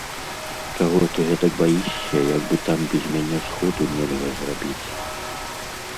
Чаго ты гэтак баішся, як бы там без мяне сходу нельга зрабіць!